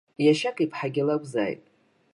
Иашьак иԥҳагьы лакәзааит.